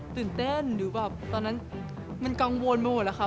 ตื่นเต้นหรือแบบตอนนั้นมันกังวลหมดหรือเปล่า